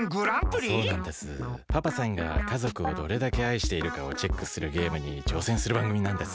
パパさんが家族をどれだけ愛しているかをチェックするゲームにちょうせんするばんぐみなんです。